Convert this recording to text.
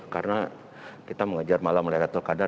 karena kita mengajar malam laylatul qadar